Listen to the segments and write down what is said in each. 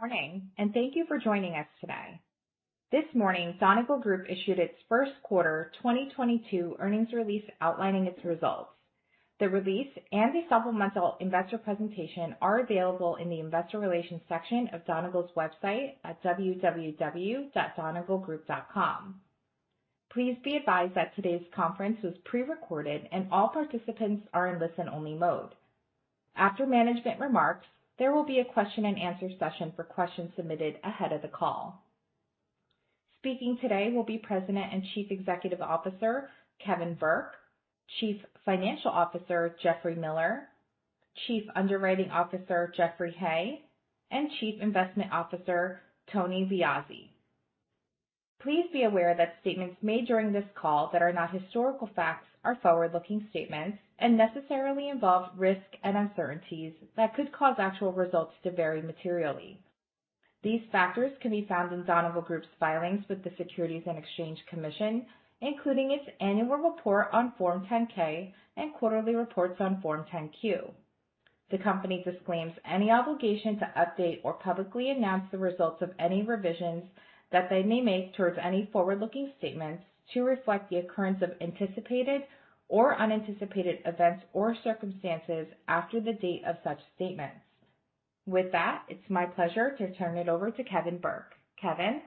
Good morning, and thank you for joining us today. This morning, Donegal Group issued its Q1 2022 earnings release outlining its results. The release and the supplemental investor presentation are available in the investor relations section of Donegal's website at www.donegalgroup.com. Please be advised that today's conference was pre-recorded and all participants are in listen-only mode. After management remarks, there will be a question-and-answer session for questions submitted ahead of the call. Speaking today will be President and Chief Executive Officer, Kevin Burke, Chief Financial Officer, Jeffrey Miller, Chief Underwriting Officer, Jeffrey Hay, and Chief Investment Officer, Tony Viozzi. Please be aware that statements made during this call that are not historical facts are forward-looking statements and necessarily involve risks and uncertainties that could cause actual results to vary materially. These factors can be found in Donegal Group's filings with the Securities and Exchange Commission, including its annual report on Form 10-K and quarterly reports on Form 10-Q. The company disclaims any obligation to update or publicly announce the results of any revisions that they may make towards any forward-looking statements to reflect the occurrence of anticipated or unanticipated events or circumstances after the date of such statements. With that, it's my pleasure to turn it over to Kevin Burke. Kevin?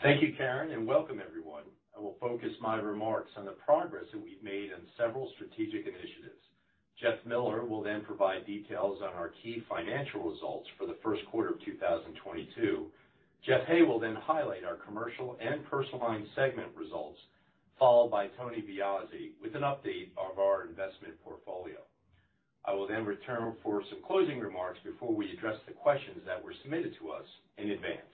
Thank you, Karen, and welcome everyone. I will focus my remarks on the progress that we've made on several strategic initiatives. Jeff Miller will then provide details on our key financial results for the first quarter of 2022. Jeff Hay will then highlight our commercial and personal lines segment results, followed by Tony Viozzi with an update of our investment portfolio. I will then return for some closing remarks before we address the questions that were submitted to us in advance.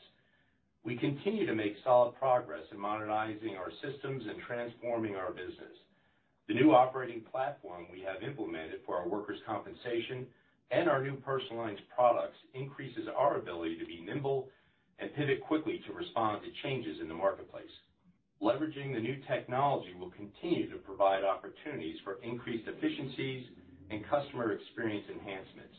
We continue to make solid progress in modernizing our systems and transforming our business. The new operating platform we have implemented for our workers' compensation and our new personal lines products increases our ability to be nimble and pivot quickly to respond to changes in the marketplace. Leveraging the new technology will continue to provide opportunities for increased efficiencies and customer experience enhancements,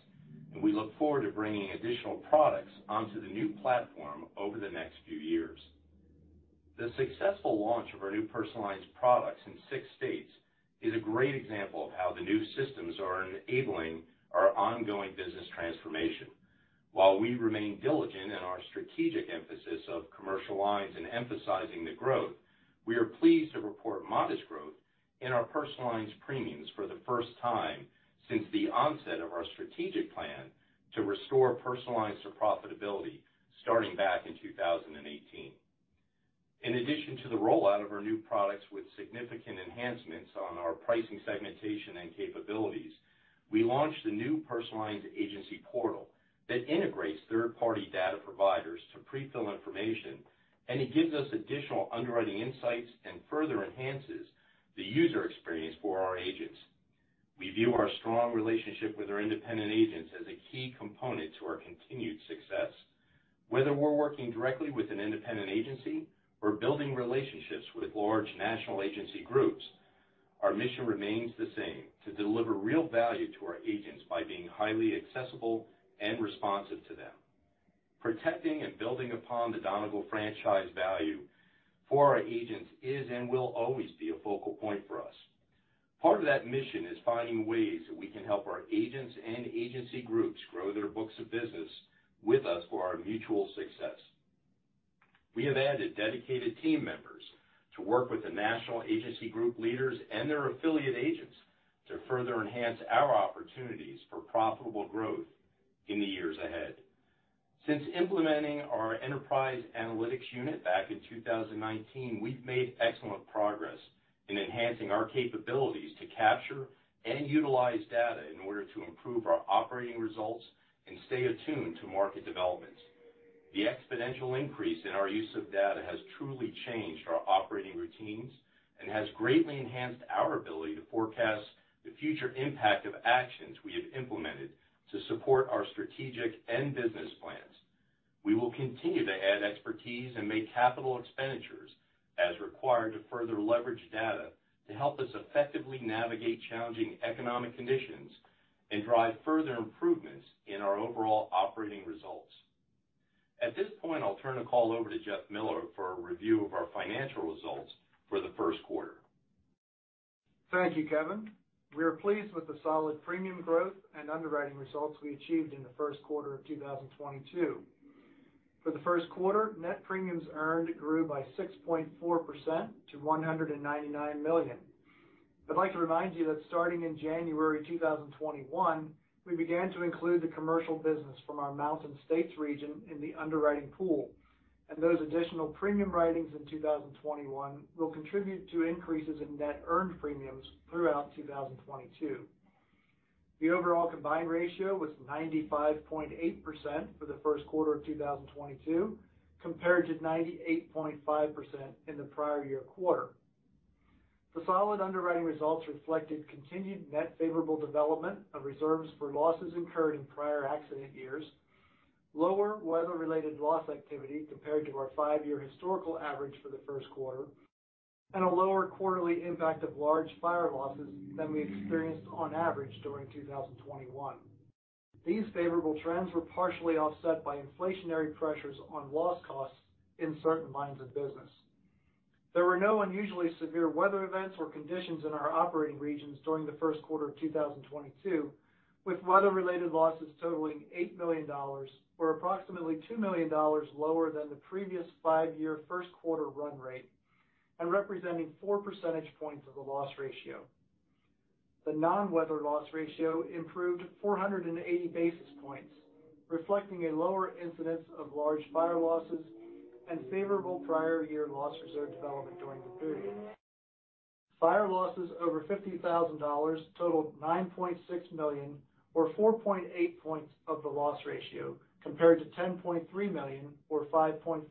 and we look forward to bringing additional products onto the new platform over the next few years. The successful launch of our new personal lines products in 6 states is a great example of how the new systems are enabling our ongoing business transformation. While we remain diligent in our strategic emphasis of commercial lines and emphasizing the growth, we are pleased to report modest growth in our personal lines premiums for the first time since the onset of our strategic plan to restore personal lines to profitability starting back in 2018. In addition to the rollout of our new products with significant enhancements on our pricing segmentation and capabilities, we launched the new personal lines agency portal that integrates third-party data providers to pre-fill information, and it gives us additional underwriting insights and further enhances the user experience for our agents. We view our strong relationship with our independent agents as a key component to our continued success. Whether we're working directly with an independent agency or building relationships with large national agency groups, our mission remains the same. To deliver real value to our agents by being highly accessible and responsive to them. Protecting and building upon the Donegal franchise value for our agents is and will always be a focal point for us. Part of that mission is finding ways that we can help our agents and agency groups grow their books of business with us for our mutual success. We have added dedicated team members to work with the national agency group leaders and their affiliate agents to further enhance our opportunities for profitable growth in the years ahead. Since implementing our Enterprise Analytics unit back in 2019, we've made excellent progress in enhancing our capabilities to capture and utilize data in order to improve our operating results and stay attuned to market developments. The exponential increase in our use of data has truly changed our operating routines and has greatly enhanced our ability to forecast the future impact of actions we have implemented to support our strategic and business plans. We will continue to add expertise and make capital expenditures as required to further leverage data to help us effectively navigate challenging economic conditions and drive further improvements in our overall operating results. At this point, I'll turn the call over to Jeff Miller for a review of our financial results for the Q1. Thank you, Kevin. We are pleased with the solid premium growth and underwriting results we achieved in the first quarter of 2022. For the Q1, net premiums earned grew by 6.4% to $199 million. I'd like to remind you that starting in January 2021, we began to include the commercial business from our Mountain States region in the underwriting pool, and those additional premium writings in 2021 will contribute to increases in net earned premiums throughout 2022. The overall combined ratio was 95.8% for the Q1 2022, compared to 98.5% in the prior year quarter. The solid underwriting results reflected continued net favorable development of reserves for losses incurred in prior accident years, lower weather-related loss activity compared to our five-year historical average for the Q1, and a lower quarterly impact of large fire losses than we experienced on average during 2021. These favorable trends were partially offset by inflationary pressures on loss costs in certain lines of business. There were no unusually severe weather events or conditions in our operating regions during the Q1 2022, with weather-related losses totaling $8 million, or approximately $2 million lower than the previous five-year Q1 run rate, and representing 4% points of the loss ratio. The non-weather loss ratio improved 480 basis points, reflecting a lower incidence of large fire losses and favorable prior year loss reserve development during the period. Fire losses over $50,000 totaled $9.6 million, or 4.8 points of the loss ratio, compared to $10.3 million, or 5.5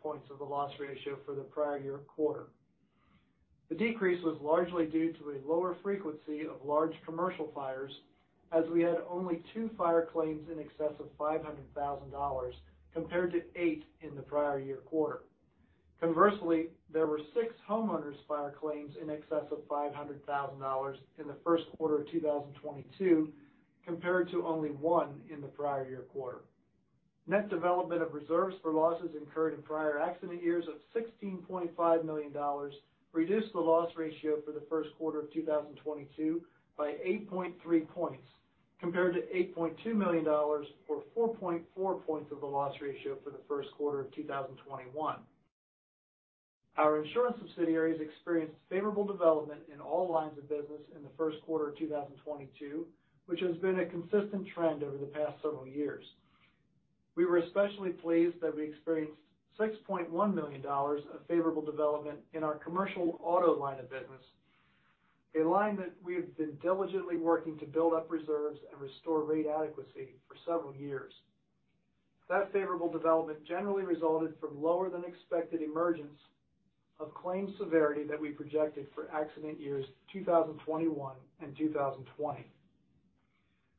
points of the loss ratio for the prior year quarter. The decrease was largely due to a lower frequency of large commercial fires, as we had only two fire claims in excess of $500,000 compared to eight in the prior year quarter. Conversely, there were six homeowners fire claims in excess of $500,000 in the Q1 of 2022, compared to only one in the prior year quarter. Net development of reserves for losses incurred in prior accident years of $16.5 million reduced the loss ratio for the Q1 2022 by 8.3 points, compared to $8.2 million or 4.4 points of the loss ratio for the Q1 2021. Our insurance subsidiaries experienced favorable development in all lines of business in the Q1 2022, which has been a consistent trend over the past several years. We were especially pleased that we experienced $6.1 million of favorable development in our commercial auto line of business, a line that we have been diligently working to build up reserves and restore rate adequacy for several years. That favorable development generally resulted from lower than expected emergence of claim severity that we projected for accident years 2021 and 2020.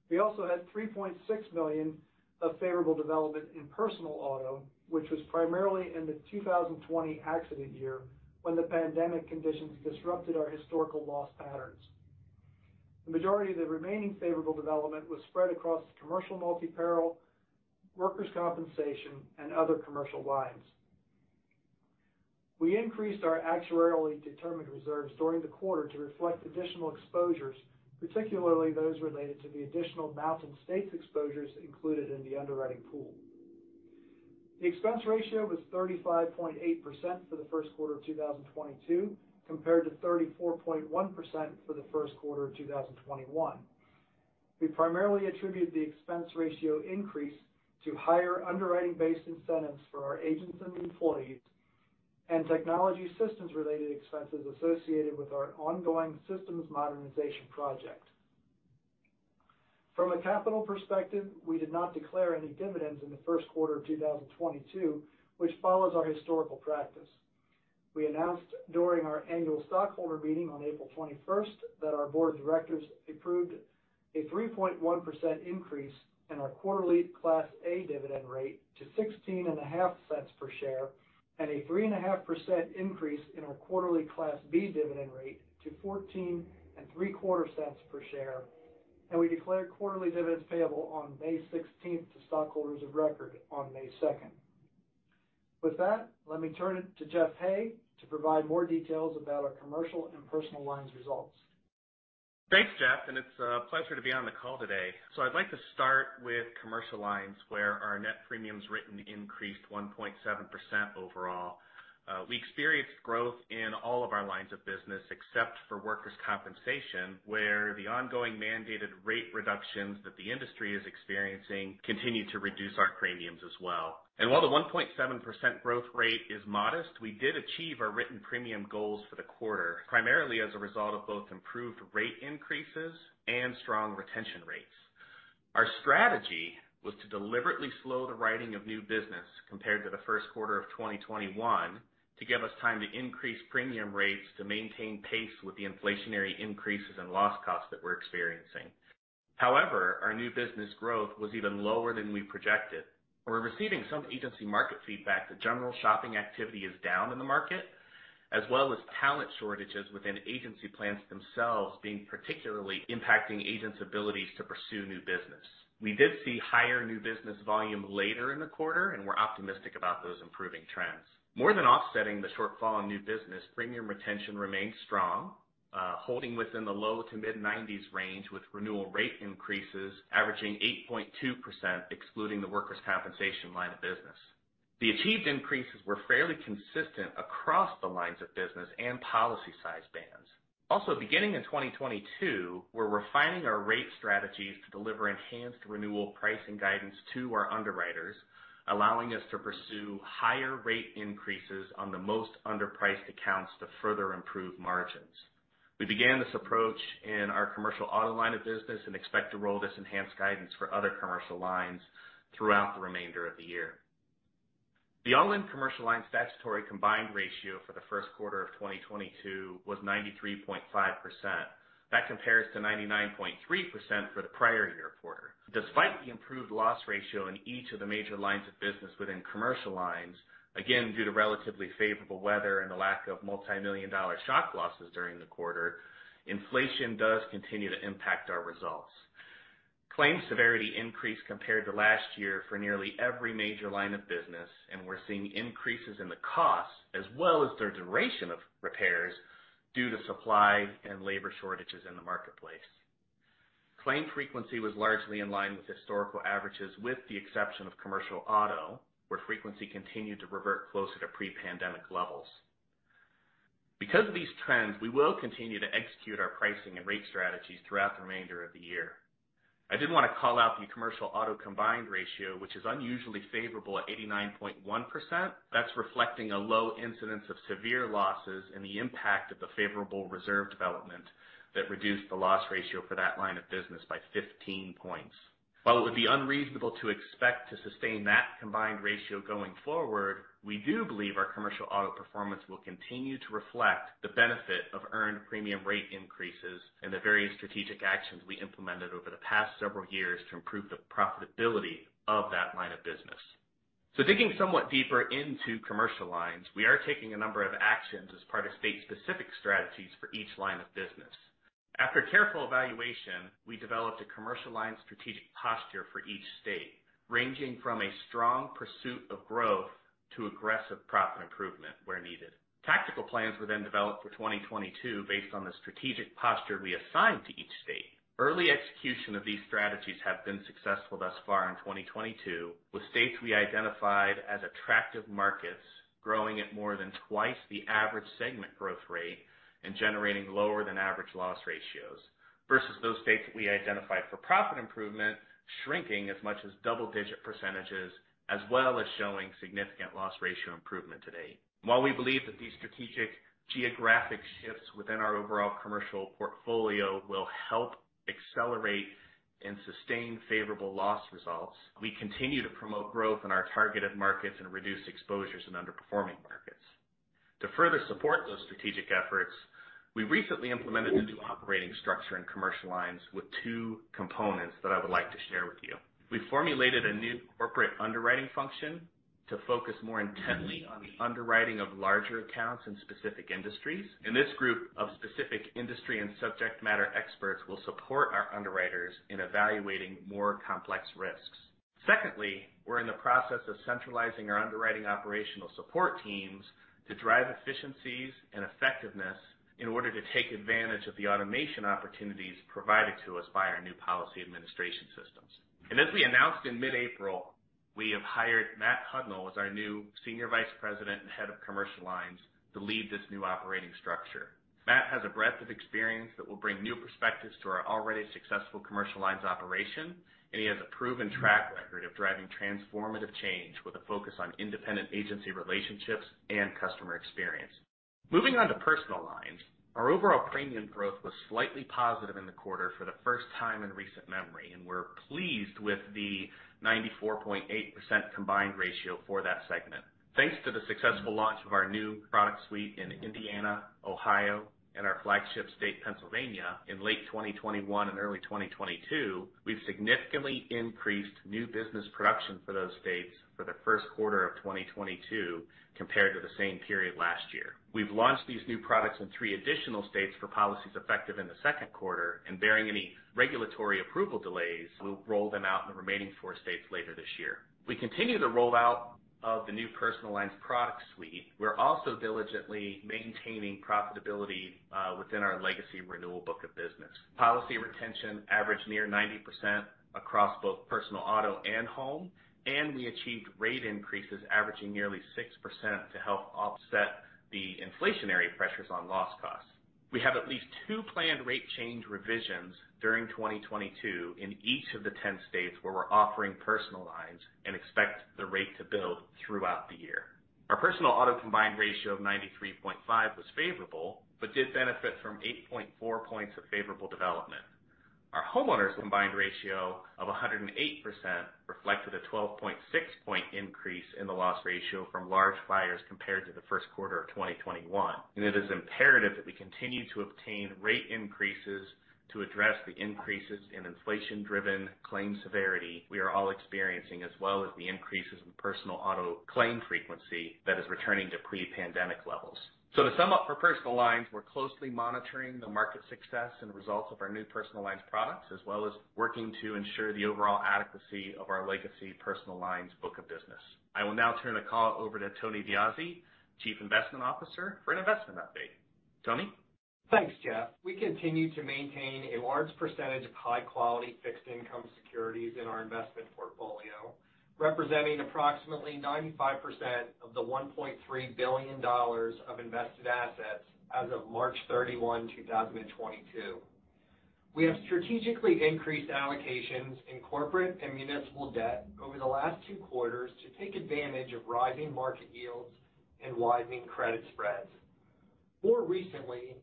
We also had $3.6 million of favorable development in personal auto, which was primarily in the 2020 accident year when the pandemic conditions disrupted our historical loss patterns. The majority of the remaining favorable development was spread across commercial multi-peril, workers' compensation, and other commercial lines. We increased our actuarially determined reserves during the quarter to reflect additional exposures, particularly those related to the additional Mountain States exposures included in the underwriting pool. The expense ratio was 35.8% for the Q1 2022, compared to 34.1% for the Q1 2021. We primarily attribute the expense ratio increase to higher underwriting-based incentives for our agents and employees and technology systems related expenses associated with our ongoing systems modernization project. From a capital perspective, we did not declare any dividends in the Q1 2022, which follows our historical practice. We announced during our annual stockholder meeting on April 21 that our Board of directors approved a 3.1% increase in our quarterly Class A dividend rate to $0.165 per share, and a 3.5% increase in our quarterly Class B dividend rate to $0.1475 per share. We declared quarterly dividends payable on May 16 to stockholders of record on May 2. With that, let me turn it to Jeff Hay to provide more details about our commercial and personal lines results. Thanks, Jeff, and it's a pleasure to be on the call today. I'd like to start with commercial lines, where our net premiums written increased 1.7% overall. We experienced growth in all of our lines of business, except for workers' compensation, where the ongoing mandated rate reductions that the industry is experiencing continued to reduce our premiums as well. While the 1.7% growth rate is modest, we did achieve our written premium goals for the quarter, primarily as a result of both improved rate increases and strong retention rates. Our strategy was to deliberately slow the writing of new business compared to the Q1 2021 to give us time to increase premium rates to maintain pace with the inflationary increases in loss costs that we're experiencing. However, our new business growth was even lower than we projected. We're receiving some agency market feedback that general shopping activity is down in the market, as well as talent shortages within agency plans themselves being particularly impacting agents' abilities to pursue new business. We did see higher new business volume later in the quarter, and we're optimistic about those improving trends. More than offsetting the shortfall in new business, premium retention remains strong, holding within the low- to mid-90s range, with renewal rate increases averaging 8.2% excluding the workers' compensation line of business. The achieved increases were fairly consistent across the lines of business and policy size bands. Also, beginning in 2022, we're refining our rate strategies to deliver enhanced renewal pricing guidance to our underwriters, allowing us to pursue higher rate increases on the most underpriced accounts to further improve margins. We began this approach in our commercial auto line of business and expect to roll this enhanced guidance for other commercial lines throughout the remainder of the year. The overall commercial lines statutory combined ratio for the Q1 2022 was 93.5%. That compares to 99.3% for the prior-year quarter. Despite the improved loss ratio in each of the major lines of business within commercial lines, again, due to relatively favorable weather and the lack of multimillion dollar shock losses during the quarter, inflation does continue to impact our results. Claim severity increased compared to last year for nearly every major line of business, and we're seeing increases in the costs as well as the duration of repairs due to supply and labor shortages in the marketplace. Claim frequency was largely in line with historical averages, with the exception of commercial auto, where frequency continued to revert closer to pre-pandemic levels. Because of these trends, we will continue to execute our pricing and rate strategies throughout the remainder of the year. I did want to call out the commercial auto combined ratio, which is unusually favorable at 89.1%. That's reflecting a low incidence of severe losses and the impact of the favorable reserve development that reduced the loss ratio for that line of business by 15 points. While it would be unreasonable to expect to sustain that combined ratio going forward, we do believe our commercial auto performance will continue to reflect the benefit of earned premium rate increases and the various strategic actions we implemented over the past several years to improve the profitability of that line of business. Digging somewhat deeper into commercial lines, we are taking a number of actions as part of state specific strategies for each line of business. After careful evaluation, we developed a commercial line strategic posture for each state, ranging from a strong pursuit of growth to aggressive profit improvement where needed. Tactical plans were then developed for 2022 based on the strategic posture we assigned to each state. Early execution of these strategies have been successful thus far in 2022, with states we identified as attractive markets growing at more than twice the average segment growth rate and generating lower than average loss ratios versus those states that we identified for profit improvement shrinking as much as double-digit percentages, as well as showing significant loss ratio improvement to date. While we believe that these strategic geographic shifts within our overall commercial portfolio will help accelerate and sustain favorable loss results, we continue to promote growth in our targeted markets and reduce exposures in underperforming markets. To further support those strategic efforts, we recently implemented a new operating structure in commercial lines with two components that I would like to share with you. We formulated a new corporate underwriting function to focus more intently on the underwriting of larger accounts in specific industries, and this group of specific industry and subject matter experts will support our underwriters in evaluating more complex risks. Secondly, we're in the process of centralizing our underwriting operational support teams to drive efficiencies and effectiveness in order to take advantage of the automation opportunities provided to us by our new policy administration systems. As we announced in mid-April, we have hired Matt Hudnall as our new Senior Vice President and Head of Commercial Lines to lead this new operating structure. Matt has a breadth of experience that will bring new perspectives to our already successful commercial lines operation, and he has a proven track record of driving transformative change with a focus on independent agency relationships and customer experience. Moving on to personal lines. Our overall premium growth was slightly positive in the quarter for the first time in recent memory, and we're pleased with the 94.8% combined ratio for that segment. Thanks to the successful launch of our new product suite in Indiana, Ohio, and our flagship state, Pennsylvania, in late 2021 and early 2022, we've significantly increased new business production for those states for the Q1 2022 compared to the same period last year. We've launched these new products in three additional states for policies effective in the second quarter, and barring any regulatory approval delays, we'll roll them out in the remaining four states later this year. We continue the rollout of the new personal lines product suite. We're also diligently maintaining profitability within our legacy renewal book of business. Policy retention averaged near 90% across both personal, auto, and home, and we achieved rate increases averaging nearly 6% to help offset the inflationary pressures on loss costs. We have at least two planned rate change revisions during 2022 in each of the 10 states where we're offering personal lines and expect the rate to build throughout the year. Our personal auto combined ratio of 93.5% was favorable but did benefit from 8.4 points of favorable development. Our homeowners combined ratio of 108% reflected a 12.6-point in increase in the loss ratio from large fires compared to the Q1 2021. It is imperative that we continue to obtain rate increases to address the increases in inflation-driven claim severity we are all experiencing, as well as the increases in personal auto claim frequency that is returning to pre-pandemic levels. To sum up, for personal lines, we're closely monitoring the market success and results of our new personal lines products, as well as working to ensure the overall adequacy of our legacy personal lines book of business. I will now turn the call over to Tony Viozzi, Chief Investment Officer, for an investment update. Tony? Thanks, Jeff. We continue to maintain a large percentage of high-quality fixed income securities in our investment portfolio, representing approximately 95% of the $1.3 billion of invested assets as of March 31, 2022. We have strategically increased allocations in corporate and municipal debt over the last two quarters to take advantage of rising market Widening credit spreads. More recently,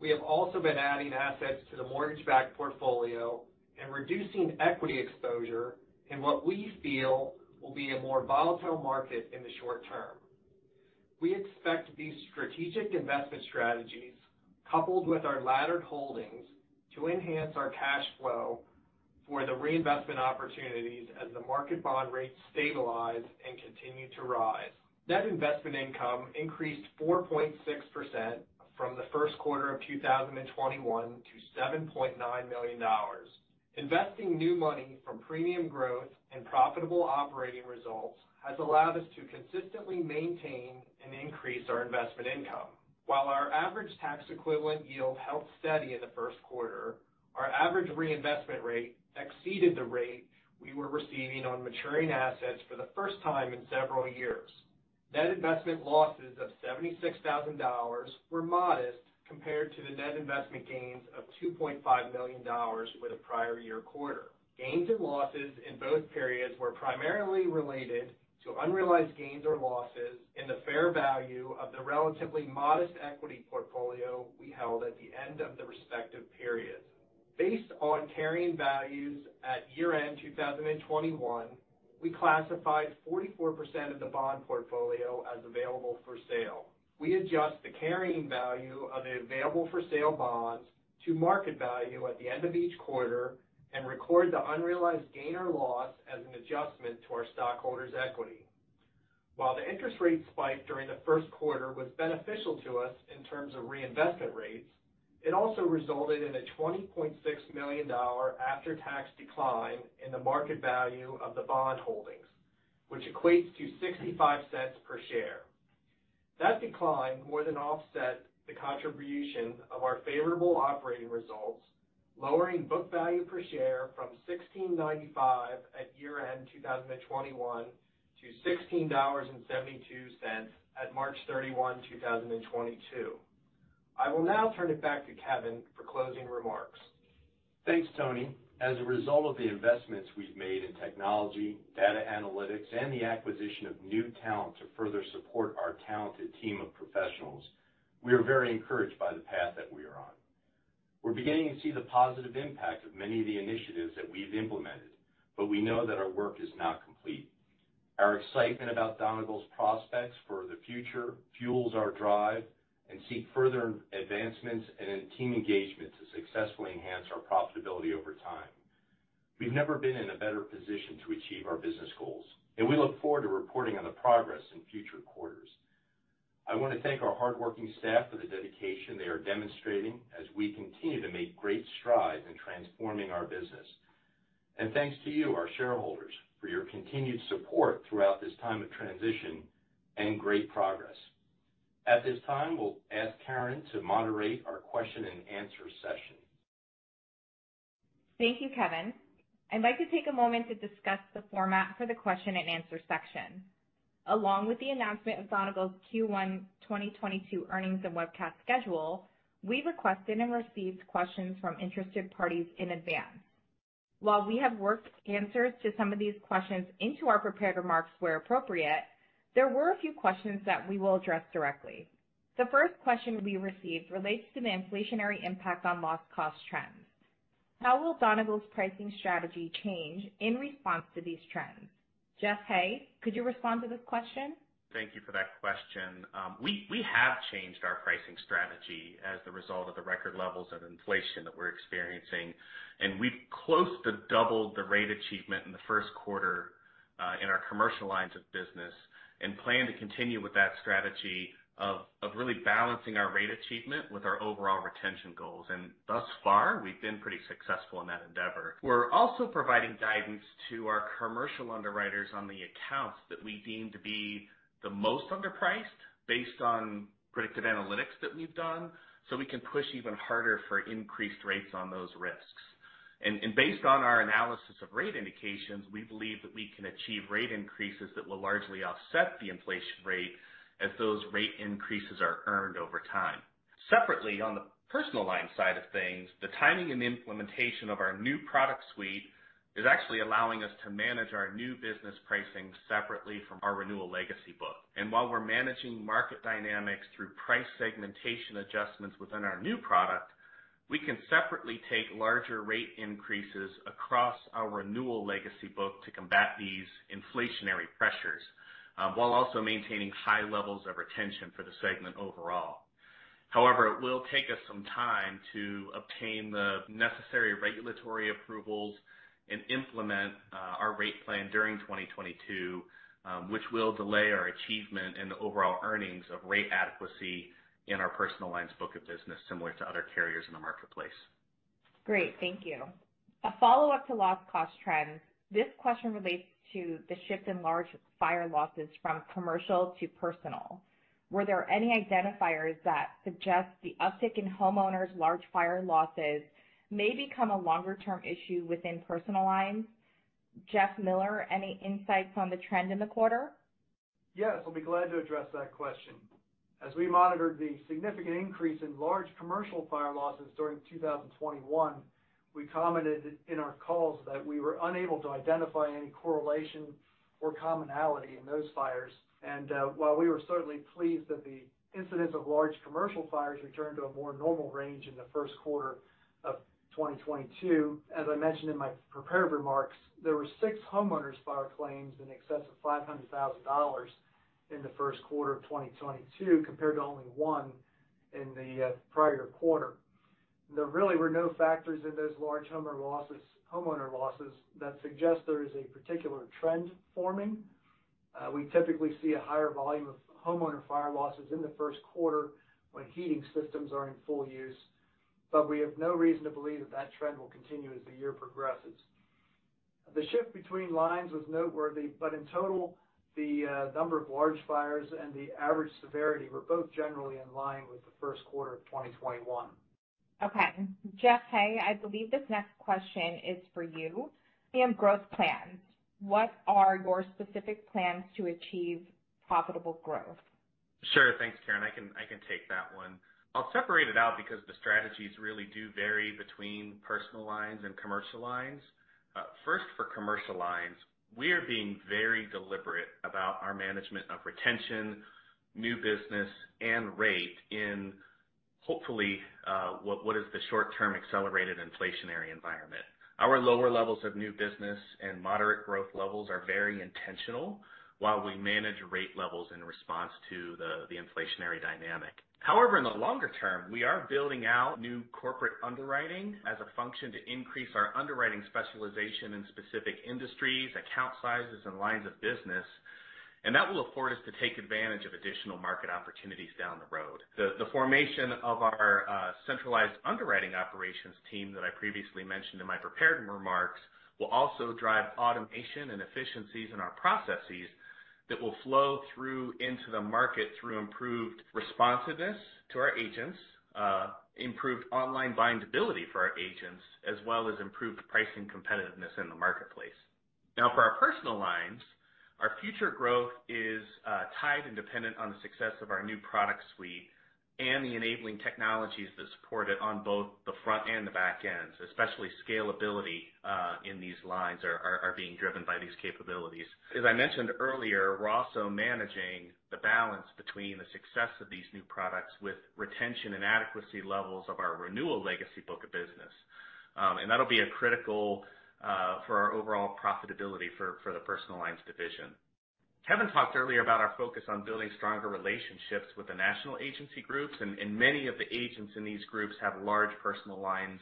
we have also been adding assets to the mortgage-backed portfolio and reducing equity exposure in what we feel will be a more volatile market in the short term. We expect these strategic investment strategies, coupled with our laddered holdings to enhance our cash flow for the reinvestment opportunities as the market bond rates stabilize and continue to rise. Net investment income increased 4.6% from the Q1 2021 to $7.9 million. Investing new money from premium growth and profitable operating results has allowed us to consistently maintain and increase our investment income. While our average tax equivalent yield held steady in the Q1, our average reinvestment rate exceeded the rate we were receiving on maturing assets for the first time in several years. Net investment losses of $76,000 were modest compared to the net investment gains of $2.5 million with the prior year quarter. Gains and losses in both periods were primarily related to unrealized gains or losses in the fair value of the relatively modest equity portfolio we held at the end of the respective periods. Based on carrying values at year-end 2021, we classified 44% of the bond portfolio as available for sale. We adjust the carrying value of the available for sale bonds to market value at the end of each quarter and record the unrealized gain or loss as an adjustment to our stockholders' equity. While the interest rate spike during the Q1 was beneficial to us in terms of reinvestment rates, it also resulted in a $20.6 million after-tax decline in the market value of the bond holdings, which equates to $0.65 per share. That decline more than offset the contribution of our favorable operating results, lowering book value per share from $16.95 at year-end 2021 to $16.72 at March 31, 2022. I will now turn it back to Kevin for closing remarks. Thanks, Tony. As a result of the investments we've made in technology, data analytics, and the acquisition of new talent to further support our talented team of professionals, we are very encouraged by the path that we are on. We're beginning to see the positive impact of many of the initiatives that we've implemented, but we know that our work is not complete. Our excitement about Donegal's prospects for the future fuels our drive and seek further advancements and in team engagement to successfully enhance our profitability over time. We've never been in a better position to achieve our business goals, and we look forward to reporting on the progress in future quarters. I want to thank our hardworking staff for the dedication they are demonstrating as we continue to make great strides in transforming our business. Thanks to you, our shareholders, for your continued support throughout this time of transition and great progress. At this time, we'll ask Karen to moderate our question-and-answer session. Thank you, Kevin. I'd like to take a moment to discuss the format for the question-and-answer section. Along with the announcement of Donegal's Q1 2022 earnings and webcast schedule, we requested and received questions from interested parties in advance. While we have worked answers to some of these questions into our prepared remarks where appropriate, there were a few questions that we will address directly. The first question we received relates to the inflationary impact on loss cost trends. How will Donegal's pricing strategy change in response to these trends? Jeff Hay, could you respond to this question? Thank you for that question. We have changed our pricing strategy as a result of the record levels of inflation that we're experiencing. We've close to doubled the rate achievement in the Q1 in our commercial lines of business and plan to continue with that strategy of really balancing our rate achievement with our overall retention goals. Thus far, we've been pretty successful in that endeavor. We're also providing guidance to our commercial underwriters on the accounts that we deem to be the most underpriced based on predictive analytics that we've done, so we can push even harder for increased rates on those risks. Based on our analysis of rate indications, we believe that we can achieve rate increases that will largely offset the inflation rate as those rate increases are earned over time. Separately, on the personal line side of things, the timing and implementation of our new product suite is actually allowing us to manage our new business pricing separately from our renewal legacy book. While we're managing market dynamics through price segmentation adjustments within our new product, we can separately take larger rate increases across our renewal legacy book to combat these inflationary pressures, while also maintaining high levels of retention for the segment overall. However, it will take us some time to obtain the necessary regulatory approvals and implement our rate plan during 2022, which will delay our achievement in the overall earnings of rate adequacy in our personal lines book of business, similar to other carriers in the marketplace. Great. Thank you. A follow-up to loss cost trends. This question relates to the shift in large fire losses from commercial to personal. Were there any identifiers that suggest the uptick in homeowners' large fire losses may become a longer term issue within personal lines? Jeff Miller, any insights on the trend in the quarter? Yes, I'll be glad to address that question. As we monitored the significant increase in large commercial fire losses during 2021, we commented in our calls that we were unable to identify any correlation or commonality in those fires. While we were certainly pleased that the incidents of large commercial fires returned to a more normal range in the Q1 2022, as I mentioned in my prepared remarks, there were six homeowners fire claims in excess of $500,000 in the Q1 2022 compared to only one in the prior quarter. There really were no factors in those large homeowner losses that suggest there is a particular trend forming. We typically see a higher volume of homeowner fire losses in the Q1 when heating systems are in full use, but we have no reason to believe that trend will continue as the year progresses. The shift between lines was noteworthy, but in total, the number of large fires and the average severity were both generally in line with the Q1 2021. Okay. Jeff Hay, I believe this next question is for you. On growth plans, what are your specific plans to achieve profitable growth? Sure. Thanks, Karen. I can take that one. I'll separate it out because the strategies really do vary between personal lines and commercial lines. First, for commercial lines, we are being very deliberate about our management of retention, new business, and rate in hopefully what is the short-term accelerated inflationary environment. Our lower levels of new business and moderate growth levels are very intentional, while we manage rate levels in response to the inflationary dynamic. However, in the longer term, we are building out new corporate underwriting as a function to increase our underwriting specialization in specific industries, account sizes, and lines of business, and that will afford us to take advantage of additional market opportunities down the road. The formation of our centralized underwriting operations team that I previously mentioned in my prepared remarks will also drive automation and efficiencies in our processes that will flow through into the market through improved responsiveness to our agents, improved online bindability for our agents, as well as improved pricing competitiveness in the marketplace. Now, for our personal lines, our future growth is tied and dependent on the success of our new product suite and the enabling technologies that support it on both the front and the back ends, especially scalability, in these lines are being driven by these capabilities. As I mentioned earlier, we're also managing the balance between the success of these new products with retention and adequacy levels of our renewal legacy book of business. That'll be a critical for our overall profitability for the personal lines division. Kevin talked earlier about our focus on building stronger relationships with the national agency groups, and many of the agents in these groups have large personal lines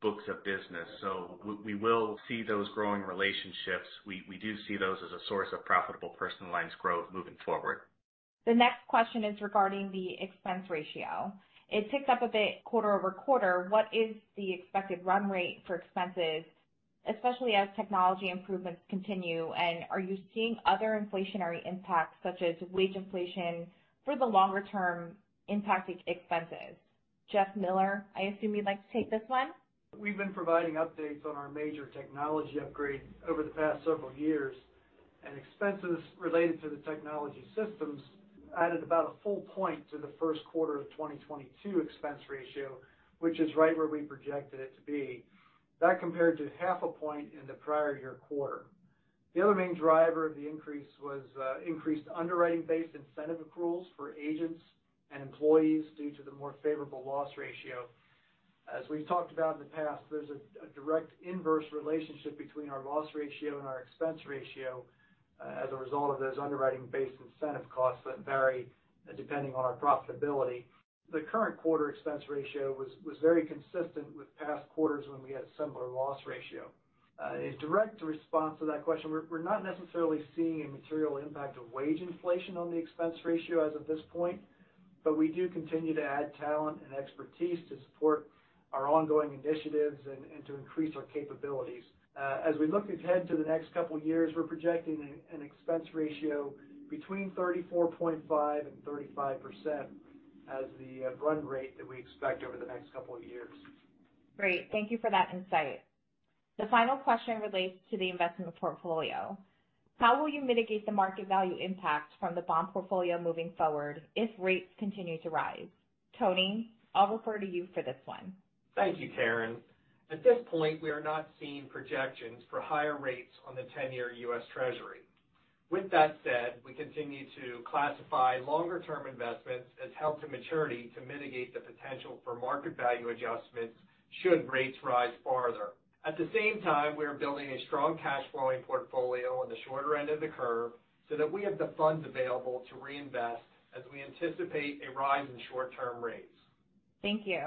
books of business. We will see those growing relationships. We do see those as a source of profitable personal lines growth moving forward. The next question is regarding the expense ratio. It ticks up a bit quarter-over-quarter. What is the expected run rate for expenses, especially as technology improvements continue, and are you seeing other inflationary impacts, such as wage inflation, for the longer term impacting expenses? Jeff Miller, I assume you'd like to take this one. We've been providing updates on our major technology upgrades over the past several years, and expenses related to the technology systems added about a full point to the Q1 2022 expense ratio, which is right where we projected it to be. That compared to half a point in the prior year quarter. The other main driver of the increase was increased underwriting-based incentive accruals for agents and employees due to the more favorable loss ratio. As we've talked about in the past, there's a direct inverse relationship between our loss ratio and our expense ratio as a result of those underwriting-based incentive costs that vary depending on our profitability. The current quarter expense ratio was very consistent with past quarters when we had similar loss ratio. In direct response to that question, we're not necessarily seeing a material impact of wage inflation on the expense ratio as of this point, but we do continue to add talent and expertise to support our ongoing initiatives and to increase our capabilities. As we look ahead to the next couple years, we're projecting an expense ratio between 34.5% and 35% as the run rate that we expect over the next couple of years. Great. Thank you for that insight. The final question relates to the investment portfolio. How will you mitigate the market value impact from the bond portfolio moving forward if rates continue to rise? Tony, I'll refer to you for this one. Thank you, Karen. At this point, we are not seeing projections for higher rates on the 10-year U.S. Treasury. With that said, we continue to classify longer term investments as held to maturity to mitigate the potential for market value adjustments should rates rise farther. At the same time, we are building a strong cash flowing portfolio on the shorter end of the curve so that we have the funds available to reinvest as we anticipate a rise in short-term rates. Thank you.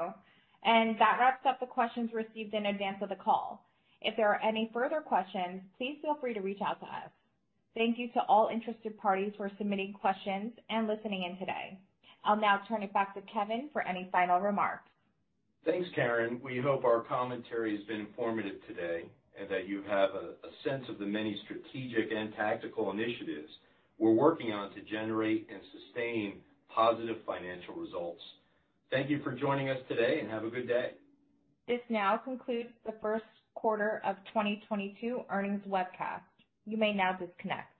That wraps up the questions received in advance of the call. If there are any further questions, please feel free to reach out to us. Thank you to all interested parties for submitting questions and listening in today. I'll now turn it back to Kevin for any final remarks. Thanks, Karen. We hope our commentary has been informative today, and that you have a sense of the many strategic and tactical initiatives we're working on to generate and sustain positive financial results. Thank you for joining us today, and have a good day. This now concludes the Q1 2022 earnings webcast. You may now disconnect.